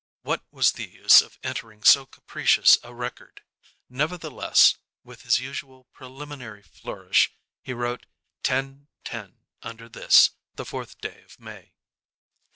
What was the use of entering so capricious a record? Nevertheless, with his usual preliminary flourish he wrote 10:10 under this, the fourth day of May.